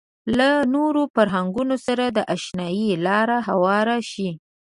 له نورو فرهنګونو سره د اشنايي لاره هواره شي.